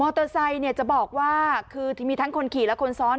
เตอร์ไซค์เนี่ยจะบอกว่าคือมีทั้งคนขี่และคนซ้อน